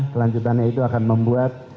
kelanjutannya itu akan membuat